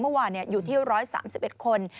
เมื่อวานเนี่ยอยู่ที่ร้อยสามสิบเอ็ดคน